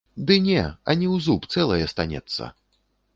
Ды не, ані ў зуб, цэлай астанецца.